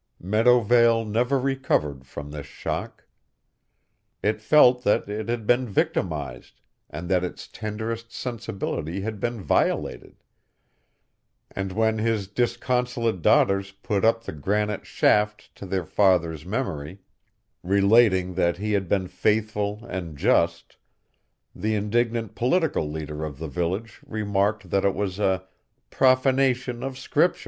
Meadowvale never recovered from this shock. It felt that it had been victimized, and that its tenderest sensibility had been violated, and when his disconsolate daughters put up the granite shaft to their father's memory, relating that he had been faithful and just, the indignant political leader of the village remarked that it was "profanation of Scriptur'."